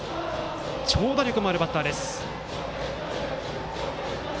長打力もあるバッターです。